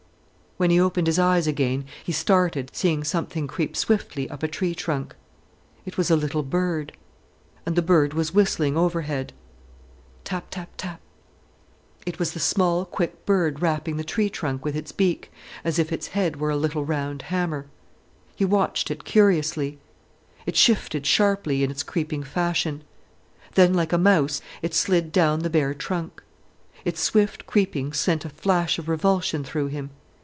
When he opened his eyes again, he started, seeing something creeping swiftly up a tree trunk. It was a little bird. And the bird was whistling overhead. Tap tap tap—it was the small, quick bird rapping the tree trunk with its beak, as if its head were a little round hammer. He watched it curiously. It shifted sharply, in its creeping fashion. Then, like a mouse, it slid down the bare trunk. Its swift creeping sent a flash of revulsion through him.